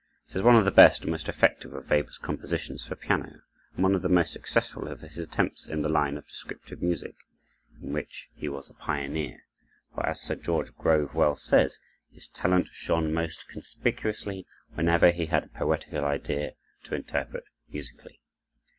It is one of the best and most effective of Weber's compositions for piano, and one of the most successful of his attempts in the line of descriptive music, in which he was a pioneer; for as Sir George Grove well says, "His talent shone most conspicuously whenever he had a poetical idea to interpret musically."